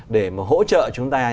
để hỗ trợ chúng ta